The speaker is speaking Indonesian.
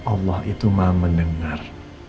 allah itu ma mendengar